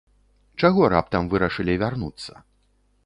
Чаго раптам вырашылі вярнуцца?